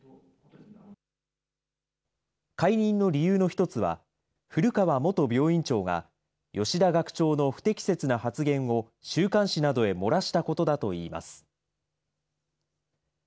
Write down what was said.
解任の理由の一つは、古川元病院長が、吉田学長の不適切な発言を週刊誌などへ漏らしたことだといいます。